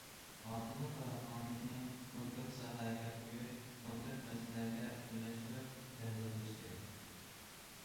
ئادىللىق ۋە ھەققانىيەتنى كونكرېت ساھەگە قويۇش، كونكرېت مەسىلىلەرگە بىرلەشتۈرۈپ تەھلىل قىلىش كېرەك.